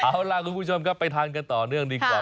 เอาล่ะคุณผู้ชมครับไปทานกันต่อเนื่องดีกว่า